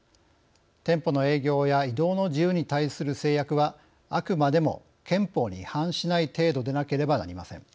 店舗の営業や移動の自由に対する制約はあくまでも憲法に違反しない程度でなければなりません。